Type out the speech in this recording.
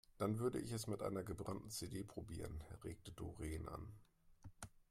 Dann würde ich es mit einer gebrannten CD probieren, regt Doreen an.